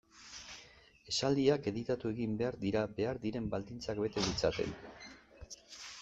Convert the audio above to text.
Esaldiak editatu egin behar dira behar diren baldintzak bete ditzaten.